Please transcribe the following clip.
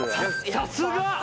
さすが！